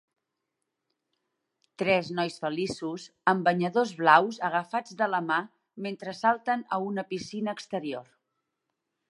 Tres nois feliços amb banyadors blaus agafats de la mà mentre salten a una piscina exterior